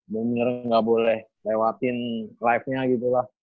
gue bener bener gak boleh lewatin live nya gitu lah